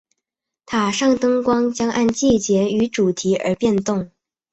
塔上灯光将按季节与主题而变动。